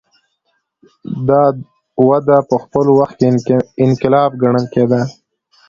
دا وده په خپل وخت کې انقلاب ګڼل کېده.